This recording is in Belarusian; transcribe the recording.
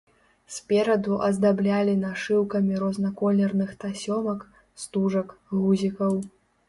Спераду аздаблялі нашыўкамі разнаколерных тасёмак, стужак, гузікаў.